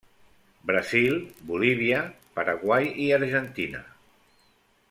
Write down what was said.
Brasil, Bolívia, Paraguai i Argentina.